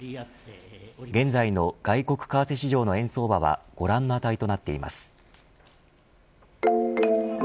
現在の外国為替市場の円相場はご覧の値となっています。